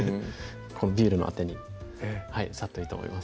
ビールのあてにサッといいと思います